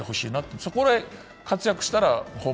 そこで活躍したら本物。